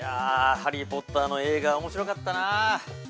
「ハリー・ポッター」の映画は、おもしろかったなあ。